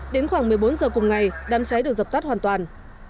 đến khoảng một mươi bốn giờ cùng ngày đám cháy được dập tắt hoàn toàn